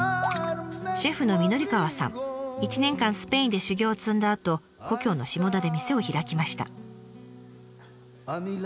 １年間スペインで修業を積んだあと故郷の下田で店を開きました。